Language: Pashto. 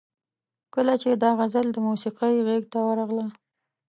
کله چې دا غزل د موسیقۍ غیږ ته ورغله.